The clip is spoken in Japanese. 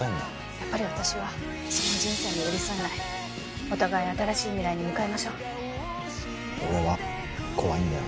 やっぱり私はその人生に寄り添えないお互い新しい未来に向かいましょう俺は怖いんだよ